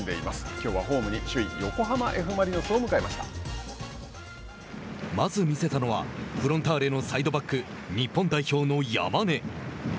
きょうはホームに首位まず魅せたのはフロンターレのサイドバック日本代表の山根。